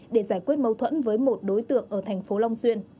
để giải quyết mâu thuẫn với một đối tượng ở thành phố long xuyên